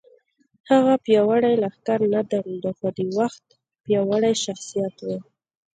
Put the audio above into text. هغه پیاوړی لښکر نه درلود خو د وخت پیاوړی شخصیت و